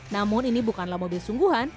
namun ini bukanlah mobil sungguhan